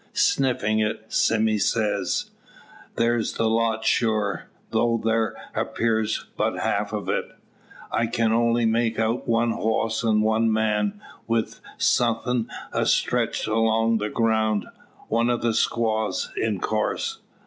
Sniffing it, Sime says: "That's the lot, sure; tho' thar appears but the half o't. I kin only make out one hoss, an' one man, wi' suthin' astreetch long the groun one o' the squaws in coorse.